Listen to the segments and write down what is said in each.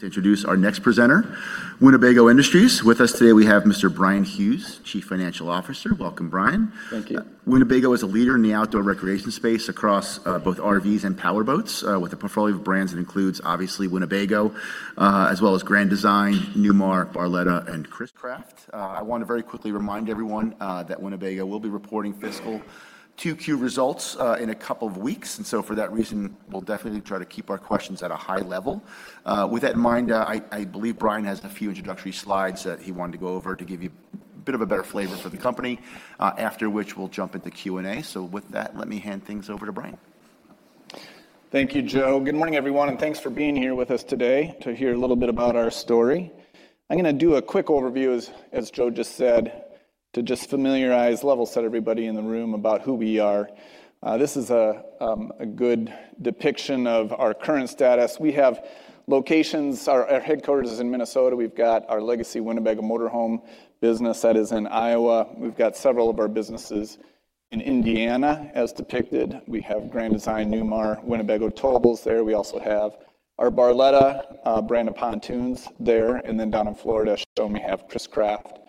To introduce our next presenter, Winnebago Industries. With us today, we have Mr. Bryan Hughes, Chief Financial Officer. Welcome, Bryan. Thank you. Winnebago is a leader in the outdoor recreation space across both RVs and powerboats, with a portfolio of brands that includes, obviously, Winnebago, as well as Grand Design, Newmar, Barletta, and Chris-Craft. I want to very quickly remind everyone that Winnebago will be reporting fiscal Q2 results in a couple of weeks. For that reason, we'll definitely try to keep our questions at a high level. With that in mind, I believe Bryan has a few introductory slides that he wanted to go over to give you a bit of a better flavor for the company, after which we'll jump into Q&A. With that, let me hand things over to Bryan. Thank you, Joe. Good morning, everyone. Thanks for being here with us today to hear a little bit about our story. I'm gonna do a quick overview as Joe just said, to just familiarize, level set everybody in the room about who we are. This is a good depiction of our current status. We have locations. Our headquarters is in Minnesota. We've got our legacy Winnebago motorhome business that is in Iowa. We've got several of our businesses in Indiana, as depicted. We have Grand Design, Newmar, Winnebago towables there. We also have our Barletta brand of pontoons there. Then down in Florida, as shown, we have Chris-Craft,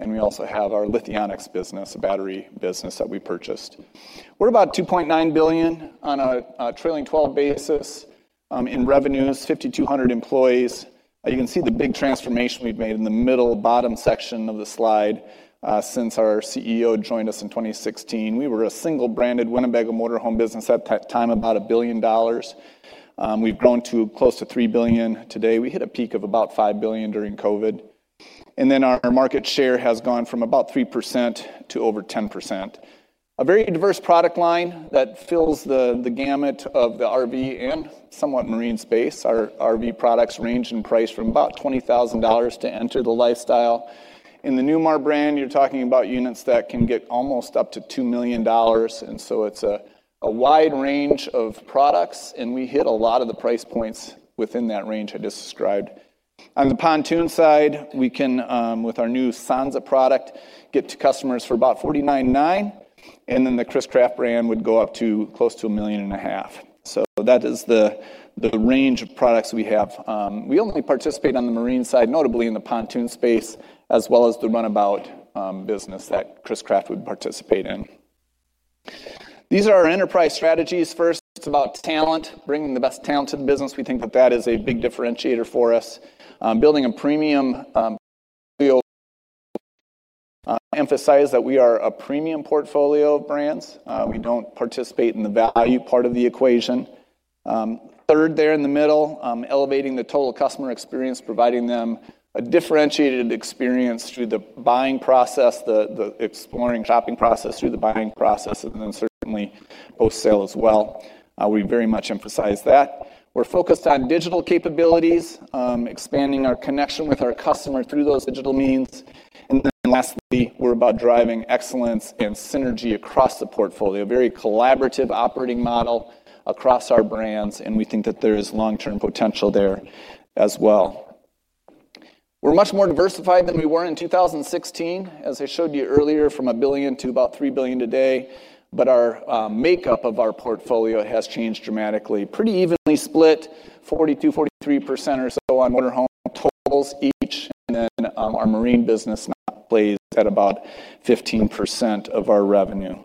and we also have our Lithionics business, a battery business that we purchased. We're about $2.9 billion on a trailing twelve basis in revenues, 5,200 employees. You can see the big transformation we've made in the middle bottom section of the slide, since our CEO joined us in 2016. We were a single-branded Winnebago motorhome business at that time, about $1 billion. We've grown to close to $3 billion today. We hit a peak of about $5 billion during COVID. Our market share has gone from about 3% to over 10%. A very diverse product line that fills the gamut of the RV and somewhat marine space. Our RV products range in price from about $20,000 to enter the lifestyle. In the Newmar brand, you're talking about units that can get almost up to $2 million. It's a wide range of products, and we hit a lot of the price points within that range I just described. On the pontoon side, we can, with our new Sanza product, get to customers for about $49,900, and then the Chris-Craft brand would go up to close to a million and a half. That is the range of products we have. We only participate on the marine side, notably in the pontoon space, as well as the runabout business that Chris-Craft would participate in. These are our enterprise strategies. First, it's about talent, bringing the best talent to the business. We think that that is a big differentiator for us. Building a premium portfolio. Emphasize that we are a premium portfolio of brands. We don't participate in the value part of the equation. Third there in the middle, elevating the total customer experience, providing them a differentiated experience through the buying process, the exploring, shopping process through the buying process, certainly post-sale as well. We very much emphasize that. We're focused on digital capabilities, expanding our connection with our customer through those digital means. Lastly, we're about driving excellence and synergy across the portfolio. Very collaborative operating model across our brands, we think that there is long-term potential there as well. We're much more diversified than we were in 2016, as I showed you earlier, from $1 billion to about $3 billion today, our makeup of our portfolio has changed dramatically. Pretty evenly split, 42, 43% or so on motor home totals each, our marine business now plays at about 15% of our revenue.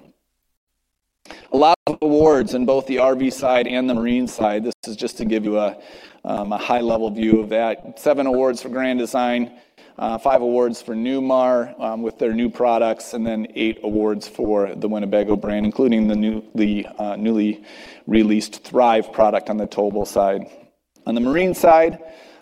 A lot of awards in both the RV side and the marine side. This is just to give you a high-level view of that. Seven awards for Grand Design, five awards for Newmar, with their new products, and then eight awards for the Winnebago brand, including the newly released Thrive product on the towable side. On the marine side,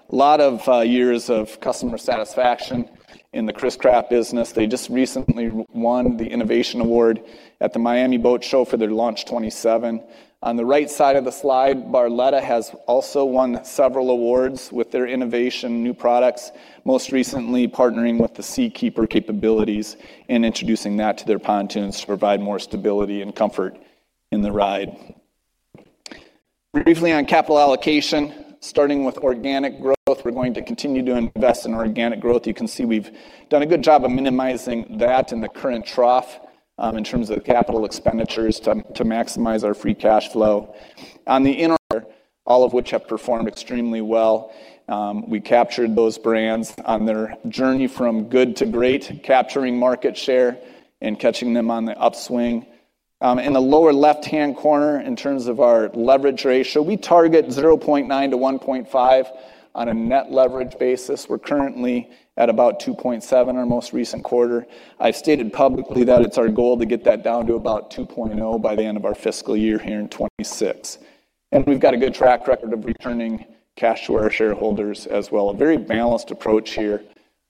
a lot of years of customer satisfaction in the Chris-Craft business. They just recently won the innovation award at the Miami Boat Show for their Launch 27. On the right side of the slide, Barletta has also won several awards with their innovation new products, most recently partnering with the Seakeeper capabilities and introducing that to their pontoons to provide more stability and comfort in the ride. Briefly on capital allocation, starting with organic growth. We're going to continue to invest in organic growth. You can see we've done a good job of minimizing that in the current trough, in terms of capital expenditures to maximize our free cash flow. All of which have performed extremely well. We captured those brands on their journey from good to great, capturing market share and catching them on the upswing. In the lower left-hand corner, in terms of our leverage ratio, we target 0.9-1.5 on a net leverage basis. We're currently at about 2.7 our most recent quarter. I've stated publicly that it's our goal to get that down to about 2.0 by the end of our fiscal year here in 2026. We've got a good track record of returning cash to our shareholders as well. A very balanced approach here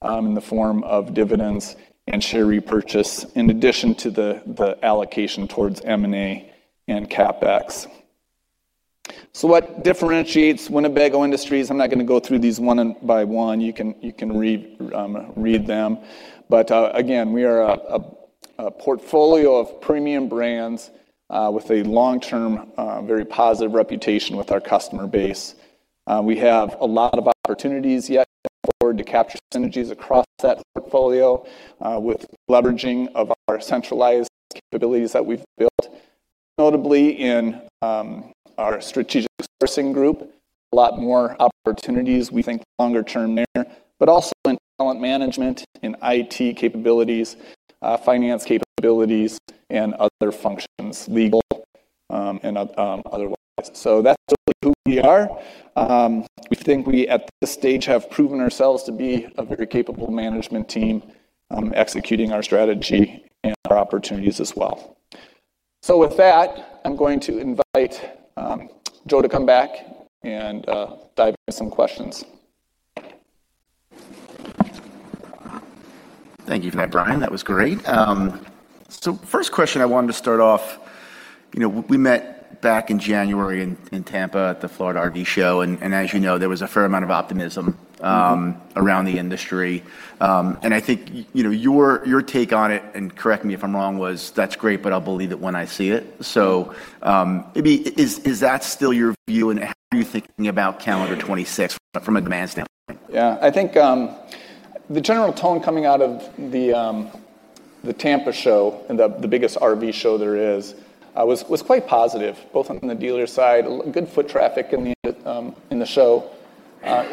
in the form of dividends and share repurchase in addition to the allocation towards M&A and CapEx. What differentiates Winnebago Industries? I'm not gonna go through these one and by one. You can read them. Again, we are a portfolio of premium brands with a long-term very positive reputation with our customer base. We have a lot of opportunities yet forward to capture synergies across that portfolio with leveraging of our centralized capabilities that we've built. Notably in our strategic sourcing group, a lot more opportunities we think longer term there, but also in talent management, in IT capabilities, finance capabilities and other functions, legal and otherwise. That's who we are. We think we at this stage have proven ourselves to be a very capable management team, executing our strategy and our opportunities as well. With that, I'm going to invite Joe to come back and dive into some questions. Thank you for that, Bryan. That was great. first question I wanted to start off, you know, we met back in January in Tampa at the Florida RV SuperShow, and as you know, there was a fair amount of optimism. Mm-hmm around the industry. I think, you know, your take on it, and correct me if I'm wrong, was, "That's great, but I'll believe it when I see it." Maybe is that still your view, and how are you thinking about calendar 2026 from a demand standpoint? Yeah. I think the general tone coming out of the Tampa Show and the biggest RV show there is, was quite positive, both on the dealer side, good foot traffic in the show. As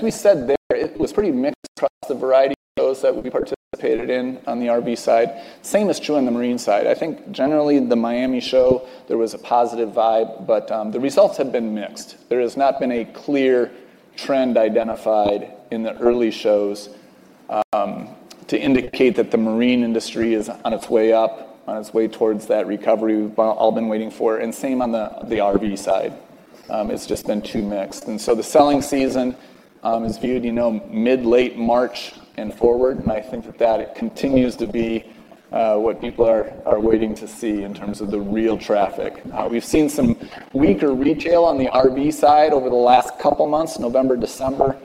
we said there, it was pretty mixed across the variety of shows that we participated in on the RV side. Same is true on the marine side. I think generally the Miami Show, there was a positive vibe, but the results have been mixed. There has not been a clear trend identified in the early shows to indicate that the marine industry is on its way up, on its way towards that recovery we've all been waiting for. Same on the RV side. It's just been too mixed. The selling season is viewed, you know, mid, late March and forward, and I think that that continues to be what people are waiting to see in terms of the real traffic. We've seen some weaker retail on the RV side over the last couple months, November, December.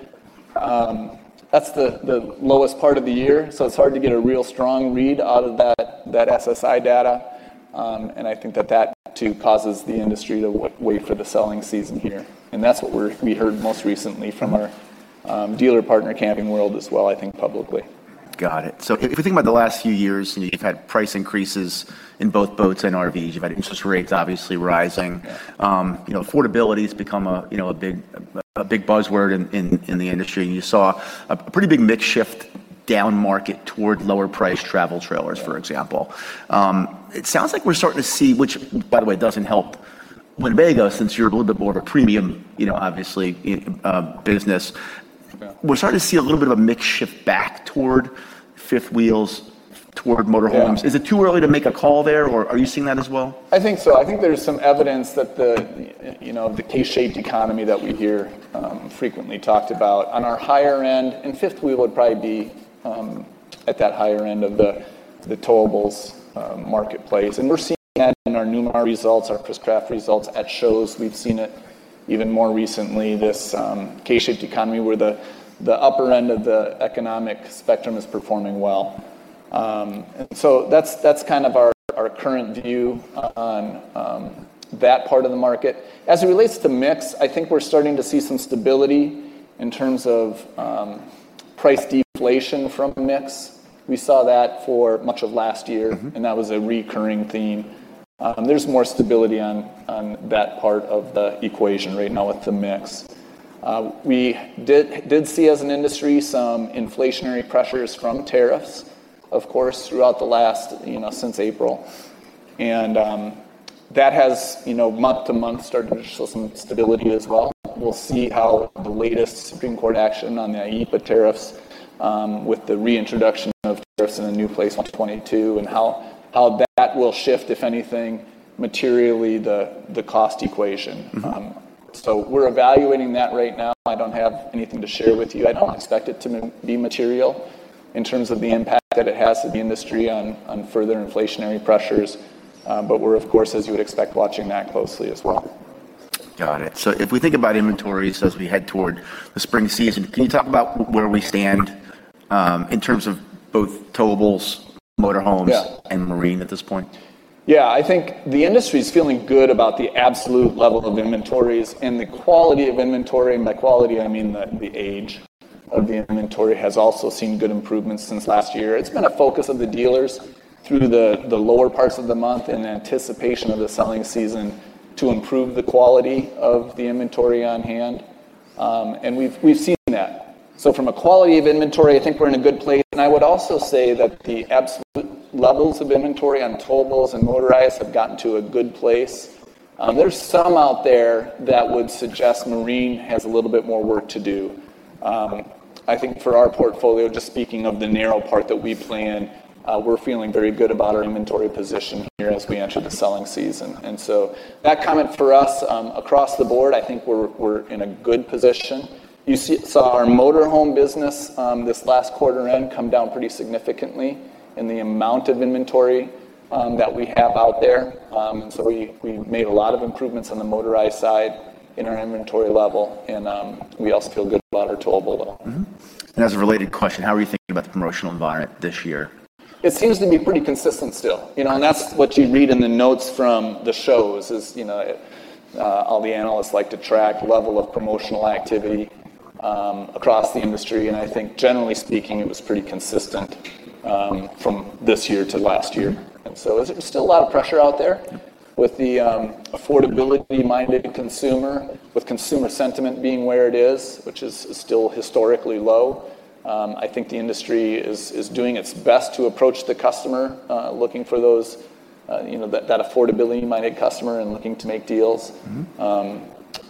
That's the lowest part of the year, so it's hard to get a real strong read out of that SSI data. I think that that too causes the industry to wait for the selling season here. That's what we heard most recently from our dealer partner Camping World as well, I think publicly. Got it. If we think about the last few years, you've had price increases in both boats and RVs. You've had interest rates obviously rising. Yeah. You know, affordability's become a, you know, a big buzzword in the industry. You saw a pretty big mix shift down market toward lower priced travel trailers, for example. It sounds like we're starting to see, which by the way doesn't help Winnebago since you're a little bit more of a premium, you know, obviously, business. Yeah. We're starting to see a little bit of a mix shift back toward fifth wheels, toward motor homes. Yeah. Is it too early to make a call there, or are you seeing that as well? I think so. I think there's some evidence that the, you know, the K-shaped economy that we hear frequently talked about. On our higher end, and fifth wheel would probably be at that higher end of the towables marketplace. We're seeing that in our Newmar results, our Chris-Craft results at shows. We've seen it even more recently, this K-shaped economy where the upper end of the economic spectrum is performing well. That's, that's kind of our current view on that part of the market. As it relates to mix, I think we're starting to see some stability in terms of price deflation from mix. We saw that for much of last year. Mm-hmm. That was a recurring theme. There's more stability on that part of the equation right now with the mix. We did see as an industry some inflationary pressures from tariffs, of course, throughout the last, you know, since April. That has, you know, month to month started to show some stability as well. We'll see how the latest Supreme Court action on the IEEPA tariffs, with the reintroduction of tariffs in a new place on 22 and how that will shift, if anything, materially the cost equation. Mm-hmm. We're evaluating that right now. I don't have anything to share with you. I don't expect it to be material in terms of the impact that it has to the industry on further inflationary pressures. We're of course, as you would expect, watching that closely as well. Got it. If we think about inventories as we head toward the spring season, can you talk about where we stand in terms of both towables, motor homes- Yeah ...and marine at this point? Yeah. I think the industry's feeling good about the absolute level of inventories and the quality of inventory, and by quality, I mean the age of the inventory, has also seen good improvements since last year. It's been a focus of the dealers through the lower parts of the month in anticipation of the selling season to improve the quality of the inventory on hand. We've seen that. So from a quality of inventory, I think we're in a good place. I would also say that the absolute levels of inventory on towables and motorized have gotten to a good place. There's some out there that would suggest marine has a little bit more work to do. I think for our portfolio, just speaking of the narrow part that we play in, we're feeling very good about our inventory position here as we enter the selling season. That comment for us, across the board, I think we're in a good position. Saw our motorhome business, this last quarter end come down pretty significantly in the amount of inventory that we have out there. We made a lot of improvements on the motorized side in our inventory level, and we also feel good about our towable level. Mm-hmm. As a related question, how are you thinking about the promotional environment this year? It seems to be pretty consistent still, you know, that's what you'd read in the notes from the shows is, you know, all the analysts like to track level of promotional activity across the industry. I think generally speaking, it was pretty consistent from this year to last year. It's still a lot of pressure out there with the affordability-minded consumer, with consumer sentiment being where it is, which is still historically low. I think the industry is doing its best to approach the customer, looking for those, you know, that affordability-minded customer and looking to make deals.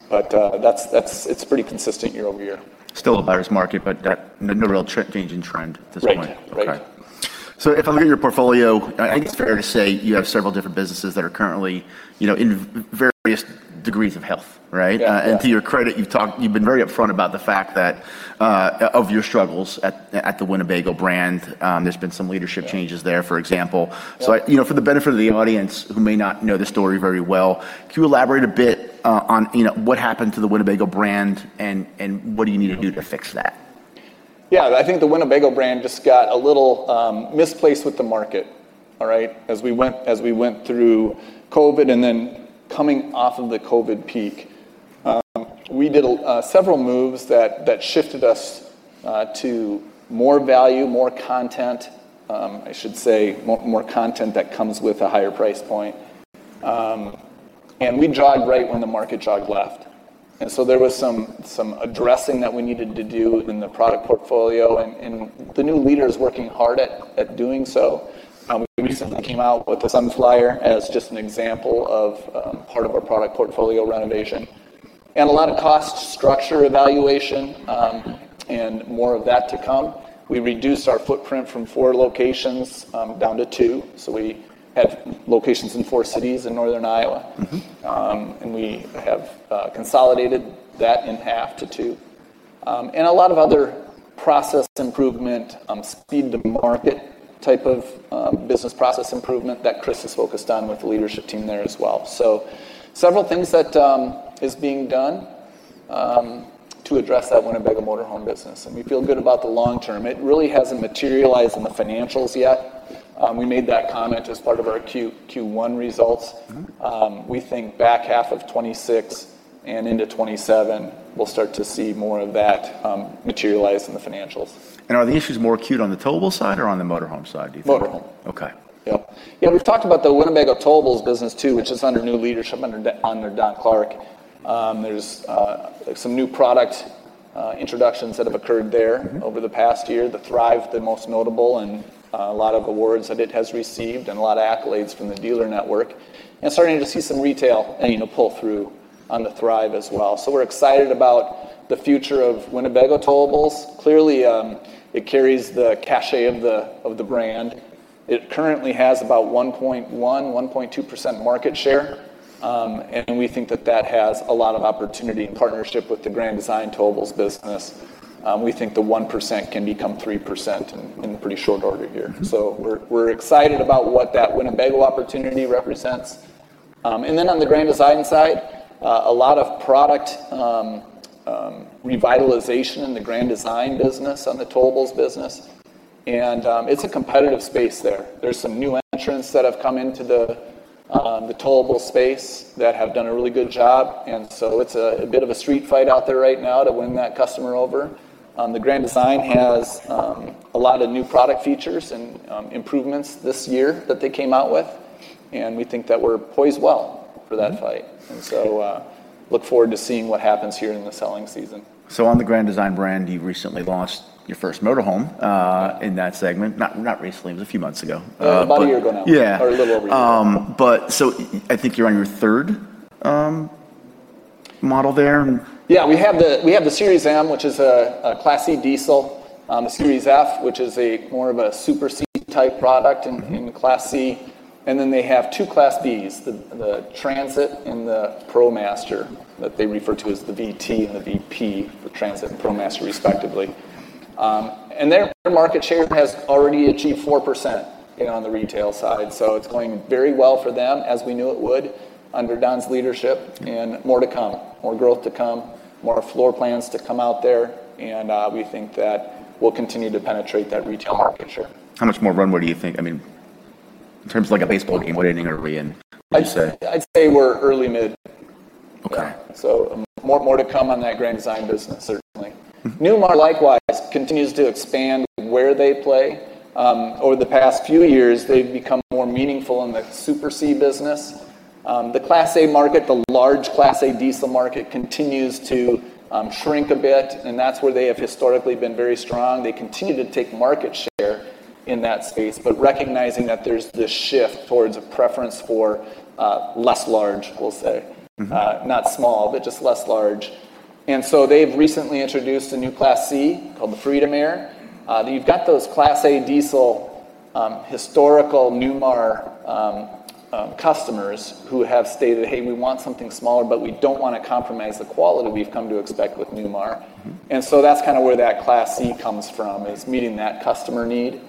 Mm-hmm. It's pretty consistent year-over-year. Still a buyer's market, but no real change in trend at this point. Right. Right. Okay. If I look at your portfolio- Yeah. I think it's fair to say you have several different businesses that are currently, you know, in various degrees of health, right? Yeah. Yeah. To your credit, You've been very upfront about the fact that of your struggles at the Winnebago brand. There's been some leadership changes... Yeah. there, for example. Yeah. You know, for the benefit of the audience who may not know the story very well, can you elaborate a bit on, you know, what happened to the Winnebago brand and what do you need to do? Yeah. to fix that? Yeah. I think the Winnebago brand just got a little misplaced with the market, all right? As we went through COVID and then coming off of the COVID peak, we did several moves that shifted us to more value, more content, I should say more content that comes with a higher price point. We jogged right when the market jogged left. There was some addressing that we needed to do in the product portfolio and the new leader is working hard at doing so. We recently came out with the Sunflyer as just an example of part of our product portfolio renovation. A lot of cost structure evaluation and more of that to come. We reduced our footprint from four locations down to two. We had locations in four cities in northern Iowa. Mm-hmm. We have consolidated that in half to two. A lot of other process improvement, speed to market type of, business process improvement that Chris is focused on with the leadership team there as well. Several things that is being done to address that Winnebago motorhome business, and we feel good about the long term. It really hasn't materialized in the financials yet. We made that comment as part of our Q1 results. Mm-hmm. We think back half of 2026 and into 2027, we'll start to see more of that materialize in the financials. Are the issues more acute on the towable side or on the motorhome side, do you think? Motorhome. Okay. Yep. You know, we've talked about the Winnebago towables business too, which is under new leadership under Don Clark. There's some new product introductions that have occurred there. Mm-hmm. over the past year. The Thrive, the most notable, and a lot of awards that it has received and a lot of accolades from the dealer network. Starting to see some retail, you know, pull through on the Thrive as well. We're excited about the future of Winnebago towables. Clearly, it carries the cachet of the brand. It currently has about 1.1%-1.2% market share. We think that has a lot of opportunity in partnership with the Grand Design towables business. We think the 1% can become 3% in pretty short order here. Mm-hmm. We're excited about what that Winnebago opportunity represents. On the Grand Design side, a lot of product revitalization in the Grand Design business on the towables business. It's a competitive space there. There's some new entrants that have come into the towable space that have done a really good job. It's a bit of a street fight out there right now to win that customer over. The Grand Design has a lot of new product features and improvements this year that they came out with, and we think that we're poised well for that fight. Mm-hmm. Look forward to seeing what happens here in the selling season. On the Grand Design brand, you recently launched your first motorhome in that segment. Not recently. It was a few months ago. About a year ago now. Yeah. A little over a year. I think you're on your third model there. Yeah. We have the Series M, which is a Class C diesel, a Series F, which is a more of a Super C type product. Mm-hmm. in the Class C. Then they have two Class Bs, the Transit and the ProMaster that they refer to as the VT and the VP for Transit and ProMaster respectively. Their market share has already achieved 4%, you know, on the retail side. It's going very well for them, as we knew it would under Don's leadership, more to come, more growth to come, more floor plans to come out there. We think that we'll continue to penetrate that retail market share. How much more runway do you think? I mean, in terms of like a baseball game, what inning are we in, would you say? I'd say we're early mid. Okay. More to come on that Grand Design business, certainly. Mm-hmm. Newmar likewise continues to expand where they play. Over the past few years, they've become more meaningful in the Super C business. The Class A market, the large Class A diesel market continues to shrink a bit. That's where they have historically been very strong. They continue to take market share in that space, recognizing that there's this shift towards a preference for less large, we'll say. Mm-hmm. Not small, but just less large. They've recently introduced a new Class C called the Freedom Air. You've got those Class A diesel historical Newmar customers who have stated, "Hey, we want something smaller, but we don't wanna compromise the quality we've come to expect with Newmar. Mm-hmm. That's kind of where that Class C comes from, is meeting that customer need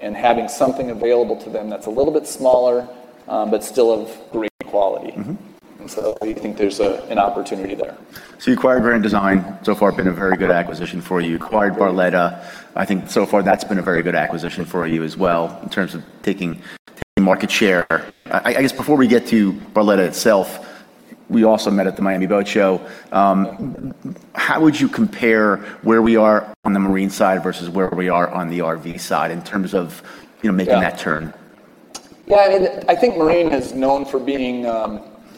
and having something available to them that's a little bit smaller, but still of great quality. Mm-hmm. We think there's an opportunity there. You acquired Grand Design, so far been a very good acquisition for you. Acquired Barletta. I think so far that's been a very good acquisition for you as well in terms of taking market share. I guess before we get to Barletta itself, we also met at the Miami Boat Show. How would you compare where we are on the marine side versus where we are on the RV side in terms of, you know? Yeah. making that turn? Yeah. I mean, I think marine is known for being,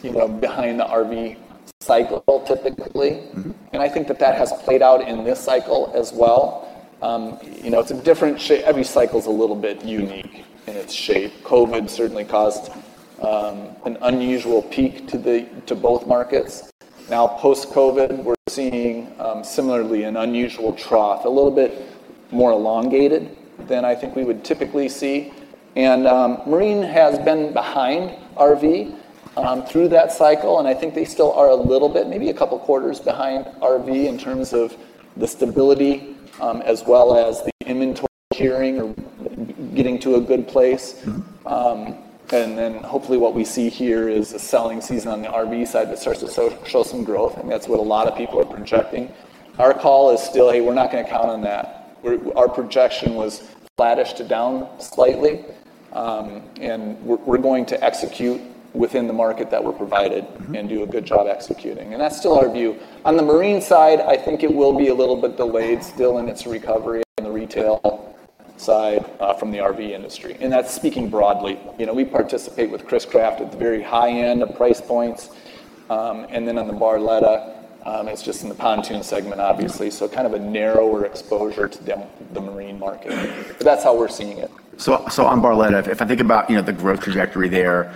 you know, behind the RV cycle typically. Mm-hmm. I think that that has played out in this cycle as well. you know, it's a different Every cycle's a little bit unique in its shape. COVID certainly caused an unusual peak to both markets. Now post-COVID, we're seeing similarly an unusual trough, a little bit more elongated than I think we would typically see. marine has been behind RV through that cycle, and I think they still are a little bit, maybe a couple quarters behind RV in terms of the stability, as well as the inventory cheering or getting to a good place. Mm-hmm. Hopefully what we see here is a selling season on the RV side that starts to show some growth, and that's what a lot of people are projecting. Our call is still, "Hey, we're not gonna count on that." Our projection was flattish to down slightly, and we're going to execute within the market that we're provided- Mm-hmm. Do a good job executing. That's still our view. On the marine side, I think it will be a little bit delayed still in its recovery in the retail side, from the RV industry. That's speaking broadly. You know, we participate with Chris-Craft at the very high end of price points. Then on the Barletta, it's just in the pontoon segment obviously. Mm-hmm. Kind of a narrower exposure to the marine market. That's how we're seeing it. On Barletta, if I think about, you know, the growth trajectory there,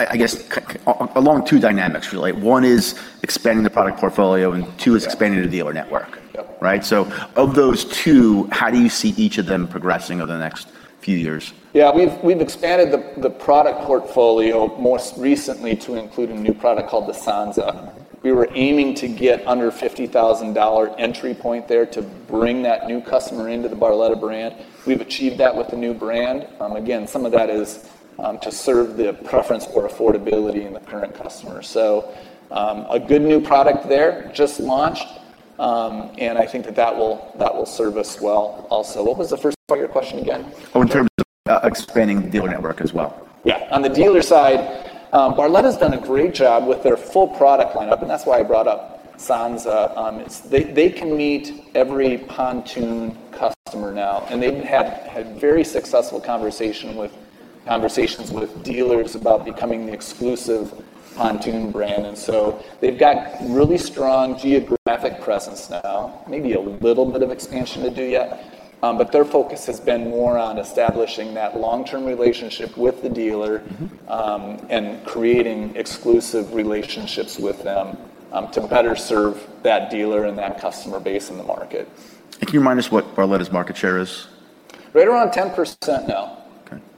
I guess along two dynamics really. One is expanding the product portfolio, and two is expanding the dealer network. Yep. Right? Of those two, how do you see each of them progressing over the next few years? Yeah. We've expanded the product portfolio most recently to include a new product called the Sanza. We were aiming to get under $50,000 entry point there to bring that new customer into the Barletta brand. We've achieved that with the new brand. again, some of that is to serve the preference for affordability in the current customer. A good new product there just launched. I think that will serve us well also. What was the first part of your question again? Oh, in terms of, expanding the dealer network as well. Yeah. On the dealer side, Barletta's done a great job with their full product lineup, and that's why I brought up Sanza. They can meet every pontoon customer now, and they've had very successful conversations with dealers about becoming the exclusive pontoon brand. They've got really strong geographic presence now. Maybe a little bit of expansion to do yet. Their focus has been more on establishing that long-term relationship with the dealer- Mm-hmm. creating exclusive relationships with them to better serve that dealer and that customer base in the market. Can you remind us what Barletta's market share is? Right around 10% now.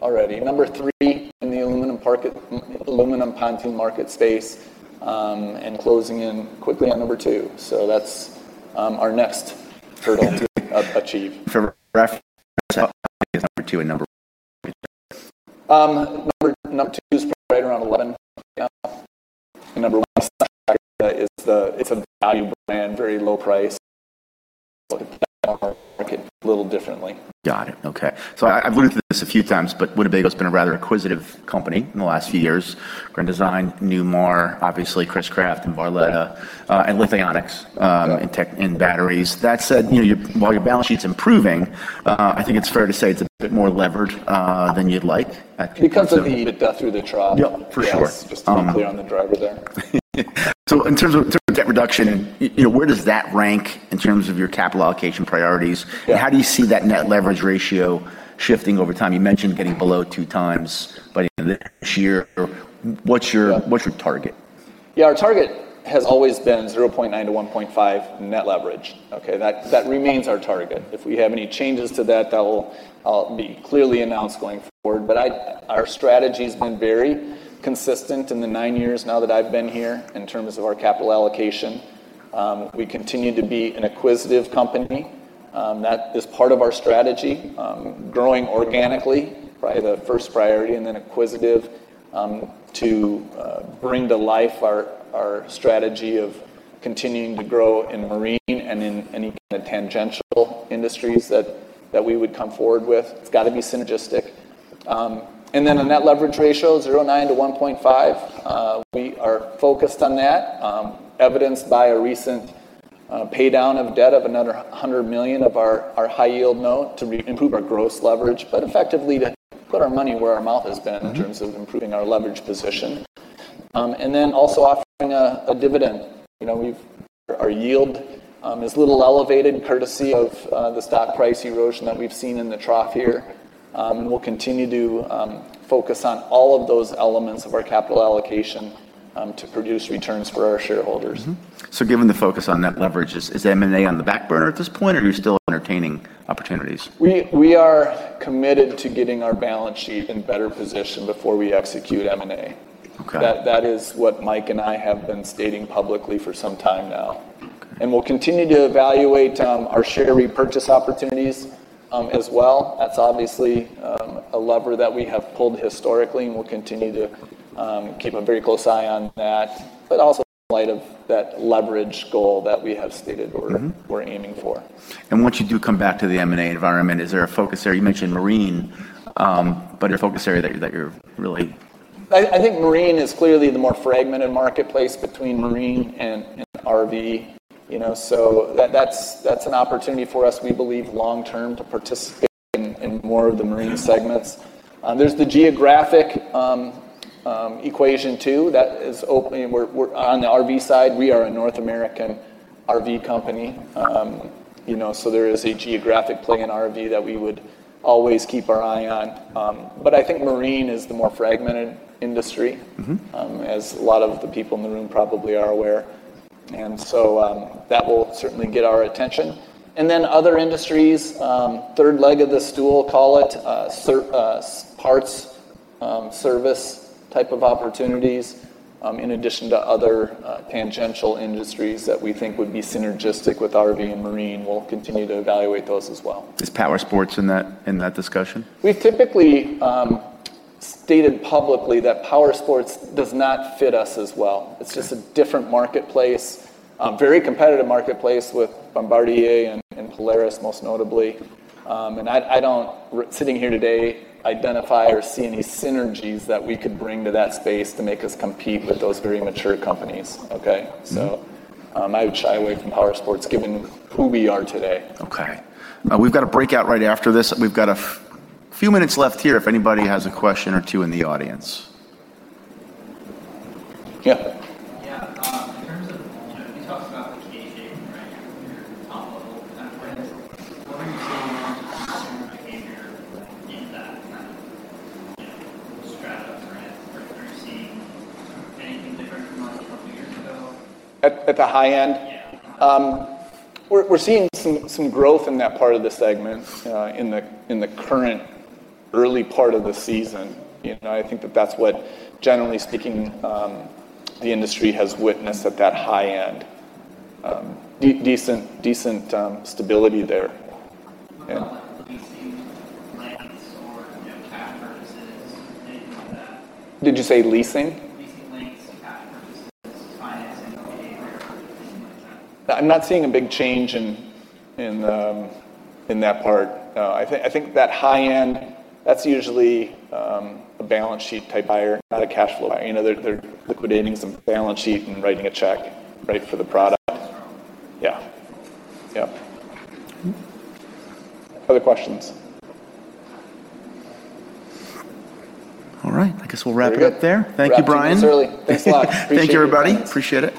Okay. Already. Number three in the aluminum pontoon market space, and closing in quickly on number two. That's our next hurdle. For ref- achieve. For reference, Who's number two and number one? Number two is probably right around 11. Number one, Sun Tracker, it's a value brand, very low price. Market a little differently. I've looked at this a few times, but Winnebago's been a rather acquisitive company in the last few years. Grand Design, Newmar, obviously Chris-Craft and Barletta, and Lithionics. Yeah. in batteries. That said, you know, while your balance sheet's improving, I think it's fair to say it's a bit more levered than you'd like. It comes a bit through the trough. Yeah. For sure. Yes. Just to be clear on the driver there. In terms of debt reduction, you know, where does that rank in terms of your capital allocation priorities? Yeah. How do you see that net leverage ratio shifting over time? You mentioned getting below two times by the end of next year. What's your target? Yeah. Our target has always been 0.9 to 1.5 net leverage. Okay. That remains our target. If we have any changes to that will be clearly announced going forward. Our strategy's been very consistent in the nine years now that I've been here in terms of our capital allocation. We continue to be an acquisitive company. That is part of our strategy, growing organically, probably the first priority, and then acquisitive to bring to life our strategy of continuing to grow in marine and in any kind of tangential industries that we would come forward with. It's gotta be synergistic. The net leverage ratio, 0.9 to 1.5. We are focused on that, evidenced by a recent paydown of debt of another $100 million of our high-yield note to improve our gross leverage, but effectively to put our money where our mouth has been. Mm-hmm. in terms of improving our leverage position. Then also offering a dividend. You know, Our yield is a little elevated courtesy of the stock price erosion that we've seen in the trough here. We'll continue to focus on all of those elements of our capital allocation to produce returns for our shareholders. Given the focus on net leverage, is M&A on the back burner at this point, or are you still entertaining opportunities? We are committed to getting our balance sheet in better position before we execute M&A. That is what Mike and I have been stating publicly for some time now. We'll continue to evaluate our share repurchase opportunities as well. That's obviously a lever that we have pulled historically, and we'll continue to keep a very close eye on that, but also in light of that leverage goal that we have stated. Mm-hmm we're aiming for. Once you do come back to the M&A environment, is there a focus there? You mentioned marine, but your focus area that you're really... I think marine is clearly the more fragmented marketplace between marine and RV, you know. That's an opportunity for us, we believe, long term to participate in more of the marine segments. There's the geographic equation too that is. On the RV side, we are a North American RV company. You know, there is a geographic play in RV that we would always keep our eye on. I think marine is the more fragmented industry. Mm-hmm As a lot of the people in the room probably are aware. That will certainly get our attention. Other industries, third leg of the stool, call it, parts, service type of opportunities, in addition to other tangential industries that we think would be synergistic with RV and marine. We'll continue to evaluate those as well. Is powersports in that, in that discussion? We've typically stated publicly that powersports does not fit us as well. It's just a different marketplace, a very competitive marketplace with Bombardier and Polaris, most notably. I don't sitting here today, identify or see any synergies that we could bring to that space to make us compete with those very mature companies. Okay? Mm-hmm. I would shy away from powersports given who we are today. Okay. We've got a breakout right after this. We've got a few minutes left here if anybody has a question or two in the audience. Yeah. In terms of volume, you talked about the K-shape, right? Your top level customers. What are you seeing in terms of behavior in that kind of, you know, strata, right? Are you seeing anything different from like a couple years ago? At the high end? Yeah. We're seeing some growth in that part of the segment, in the current early part of the season. You know, I think that that's what, generally speaking, the industry has witnessed at that high end. Decent stability there. Yeah. What about like leasing lengths or, you know, cash purchases, anything like that? Did you say leasing? Leasing lengths, cash purchases, financing behavior, anything like that. I'm not seeing a big change in that part. I think that high end, that's usually a balance sheet type buyer, not a cash flow buyer. You know, they're liquidating some balance sheet and writing a check, right, for the product. That's what I thought. Yeah. Yeah. Other questions? All right. I guess we'll wrap it up there. Very good. Thank you, Bryan. Wrap things early. Thanks a lot. Appreciate it, guys. Thank you, everybody. Appreciate it.